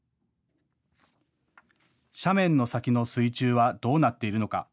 斜面の先の水中はどうなっているのか。